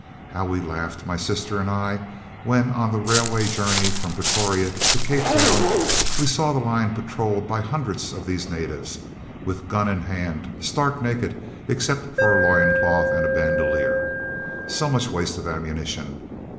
How we laughed, my sister and I, when, on the railway journey from Pretoria to Cape Town, we saw the line patrolled by hundreds of these natives, with gun in hand, stark naked except for a loin cloth and a bandolier! So much waste of ammunition!